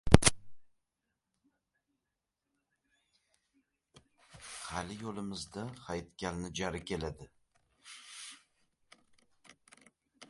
Hali yo‘limizda Hayitkalni jari keladi.